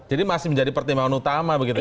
jadi masih menjadi pertimbangan utama begitu ya